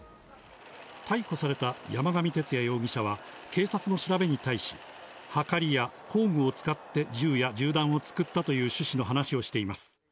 逮捕された山上徹也容疑者は、警察の調べに対し、はかりや工具を使って、銃や銃弾を作ったという趣旨の話をしています。